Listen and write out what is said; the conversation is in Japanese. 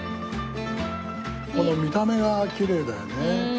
この見た目がきれいだよね。